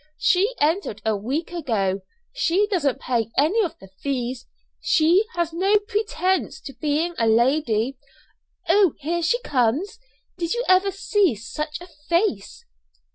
She entered a week ago. She doesn't pay any of the fees; she has no pretence to being a lady. Oh, here she comes! Did you ever see such a face?"